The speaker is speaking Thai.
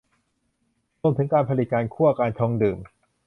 รวมถึงการผลิต การคั่ว การชงดื่ม